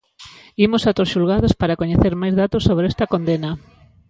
Imos ata os xulgados para coñecer máis datos sobre esta condena.